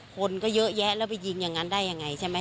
คนก็เยอะแยะแล้วไปยิงอย่างนั้นได้ยังไงใช่ไหม